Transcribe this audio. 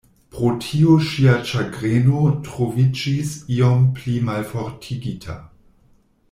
Pro tio ŝia ĉagreno troviĝis iom pli malfortigita.